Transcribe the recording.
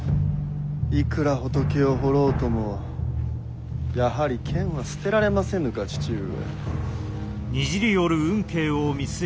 いくら仏を彫ろうともやはり剣は捨てられませぬか父上。